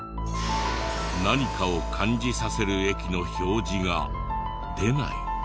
「何かを感じさせる駅」の表示が出ない。